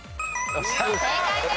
正解です。